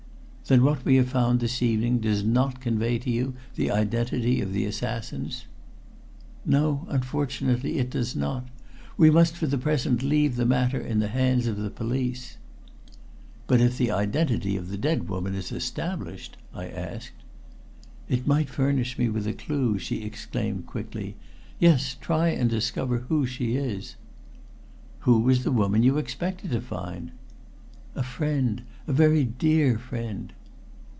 "Then what we have found this evening does not convey to you the identity of the assassins?" "No, unfortunately it does not. We must for the present leave the matter in the hands of the police." "But if the identity of the dead woman is established?" I asked. "It might furnish me with a clue," she exclaimed quickly. "Yes, try and discover who she is." "Who was the woman you expected to find?" "A friend a very dear friend."